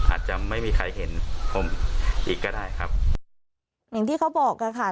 อาจจะไม่มีใครเห็นผมอีกก็ได้ครับอย่างที่เขาบอกอ่ะค่ะ